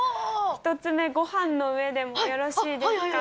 １つ目、ごはんの上でもよろしいですか。